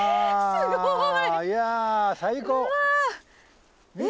すごい！